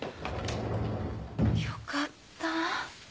よかった。